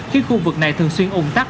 khi khu vực này thường xuyên ủng tắc